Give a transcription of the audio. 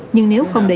nhưng nếu không để ý